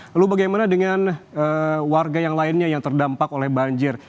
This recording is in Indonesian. lalu bagaimana dengan warga yang lainnya yang terdampak oleh banjir